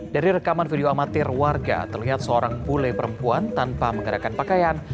dari rekaman video amatir warga terlihat seorang bule perempuan tanpa menggerakkan pakaian